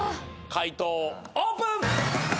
解答オープン！